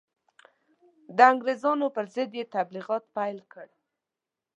د انګرېزانو پر ضد یې تبلیغ پیل کړ.